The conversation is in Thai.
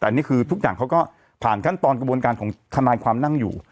แต่นี่คือทุกอย่างเขาก็ผ่านขั้นตอนกระบวนการของทนายความนั่งอยู่